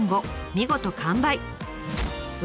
見事完売！